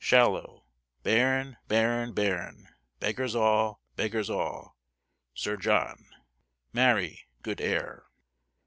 Shallow. Barren, barren, barren; beggars all, beggars all, Sir John: marry, good air."